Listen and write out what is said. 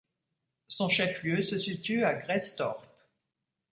Son chef-lieu se situe à Grästorp.